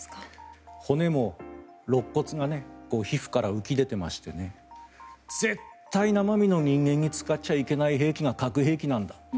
骨も、ろっ骨が皮膚から浮き出ていまして絶対、生身の人間に使っちゃいけない兵器が核兵器なんだと。